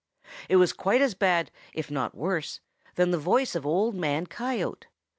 It was quite as bad if not worse than the voice of Old Man Coyote.